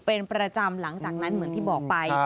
เป็นประจำหลังจากนั้นเหมือนที่บอกไป